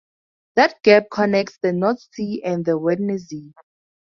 That gap connects the North Sea and the Waddenzee.